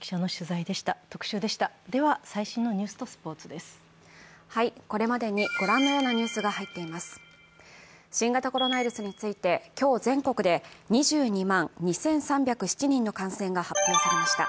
新型コロナウイルスについて今日、全国で２２万２３０７人の感染が発表されました。